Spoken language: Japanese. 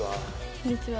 こんにちは。